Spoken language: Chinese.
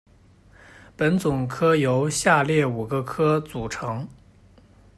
本总科由下列五个科组成：